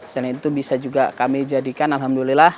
selain itu bisa juga kami jadikan alhamdulillah